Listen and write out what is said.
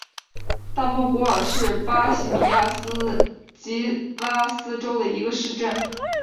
大莫古尔是巴西米纳斯吉拉斯州的一个市镇。